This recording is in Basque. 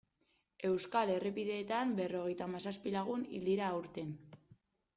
Euskal errepideetan berrogeita hamazazpi lagun hil dira aurten.